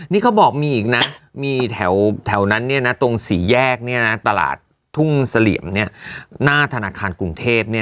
นี่เขาบอกมีอีกนะมีแถวนั้นตรงสี่แยกตลาดทุ่งเสลี่ยมหน้าธนาคารกรุงเทพ